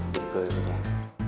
jadi gurir deh